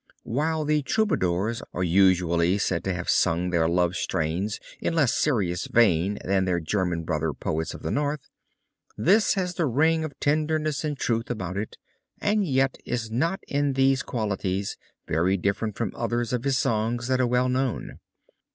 While the Troubadours are usually said to have sung their love strains in less serious vein than their German brother poets of the North, this has the ring of tenderness and truth about it and yet is not in these qualities very different from others of his songs that are well known.